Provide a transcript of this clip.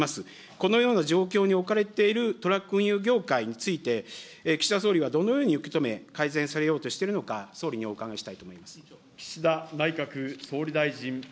このような状況に置かれているトラック運輸業界について、岸田総理はどのように受け止め、改善されようとしているのか、総理にお伺いしたいと思います。